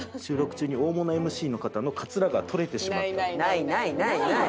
ないないないない。